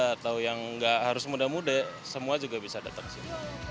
atau yang nggak harus muda muda semua juga bisa datang ke sini